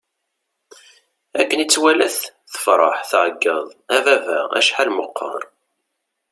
Akken i tt-walat, tefṛeḥ, tɛeggeḍ: A baba! Acḥal meqqeṛ!